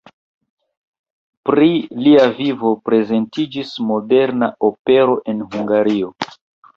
Pri lia vivo prezentiĝis moderna opero en Hungario.